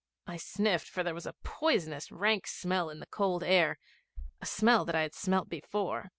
I sniffed, for there was a poisonous rank smell in the cold air a smell that I had smelt before.